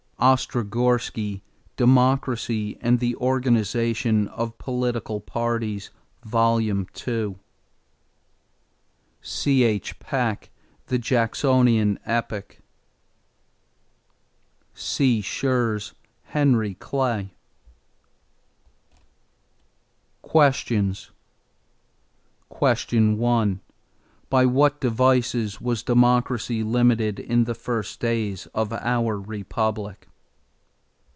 Ostrogorski, Democracy and the Organization of Political Parties, Vol. II. C.H. Peck, The Jacksonian Epoch. C. Schurz, Henry Clay. =Questions= 1. By what devices was democracy limited in the first days of our Republic?